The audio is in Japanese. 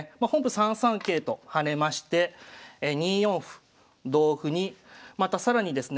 ３三桂と跳ねまして２四歩同歩にまた更にですね